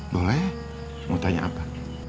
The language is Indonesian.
boleh mau tanya apa